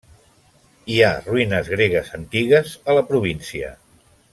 Hi ha ruïnes gregues antigues a la província.